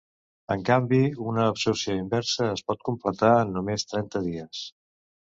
En canvi, una absorció inversa es pot completar en només trenta dies.